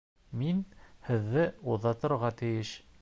Мин һеҙҙе оҙатырға тейеш